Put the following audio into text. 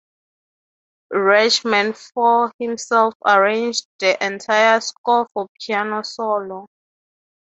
Rachmaninoff himself arranged the entire score for piano solo.